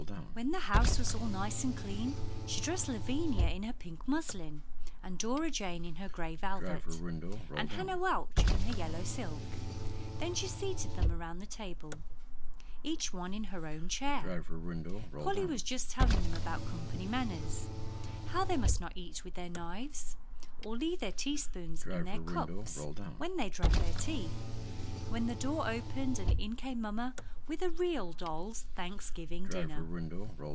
When the house was all nice and clean she dressed Lavinia in her pink muslin, and Dora Jane in her gray velvet, and Hannah Welch in her yellow silk; then she seated them around the table, each one in her own chair. Polly was just telling them about company manners, how they must not eat with their knives, or leave their teaspoons in their cups when they drank their tea, when the door opened and in came mamma with a real dolls' Thanksgiving dinner.